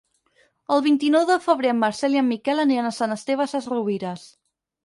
El vint-i-nou de febrer en Marcel i en Miquel aniran a Sant Esteve Sesrovires.